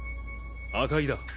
赤井だ。